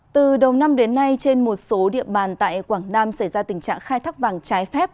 từ đầu năm đến nay trên một số địa bàn tại quảng nam xảy ra tình trạng khai thác vàng trái phép